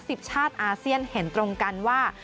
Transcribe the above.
สิบชาติอาเซียนเห็นตรงกันว่า